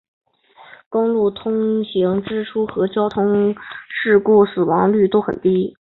维珍尼亚公路桥梁的通行支出和交通事故死亡率都很低。